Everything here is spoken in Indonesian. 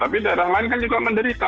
tapi daerah lain kan juga menderita